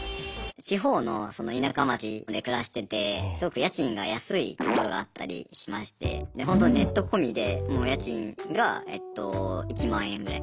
地方の田舎町で暮らしててすごく家賃が安いところがあったりしましてホントネット込みでもう家賃がえっと１万円ぐらい。